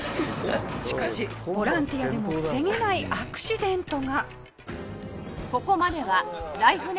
しかしボランティアでも防げないアクシデントが。